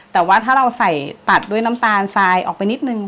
แต่ว่าถ้าเราใส่ตัดด้วยน้ำตาลทรายออกไปนิดนึง